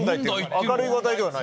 明るい話題ではない。